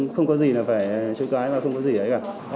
không có gì là phải trông cái mà không có gì đấy cả